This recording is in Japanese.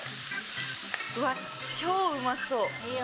うわ、超うまそー。